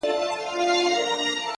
• خدايه زارۍ کومه سوال کومه؛